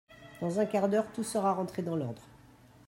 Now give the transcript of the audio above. Dans un quart d’heure, tout sera rentré dans l’ordre.